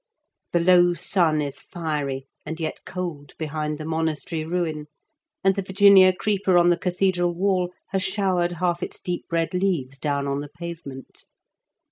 " The low sun is fiery and yet cold behind the monastery ruin, and the Virginia creeper on the cathedral wall has showered half its deep red leaves down on the pavement.